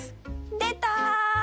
出た！